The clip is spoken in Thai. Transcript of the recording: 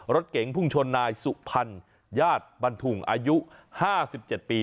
รถเก๋งพุ่งชนนายสุพรรณญาติบันทุงอายุ๕๗ปี